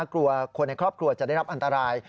กลัวคนในครอบครัวจะได้รับอันตราย